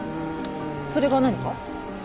それが何か？